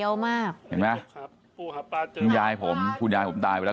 ดูแม่ยายผมพูดงานคุณยายผมตายไปแล้ว